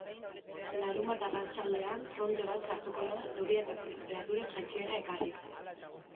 Larunbat arratsaldean fronte bat sartuko da euria eta tenperaturen jaitsiera ekarriz.